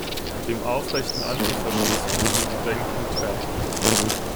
Dem aufrechten Antifaschisten zum Gedenken“ trägt.